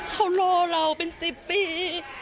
เขารอเราเป็น๑๐ปี